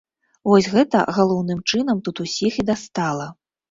Вось гэта, галоўным чынам, тут усіх і дастала.